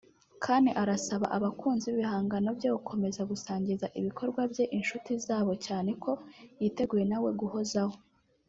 Kane arasaba abakunzi b'ibihangano bye gukomeza gusangiza ibikorwa bye inshuti zabo cyane ko yiteguye nawe guhozaho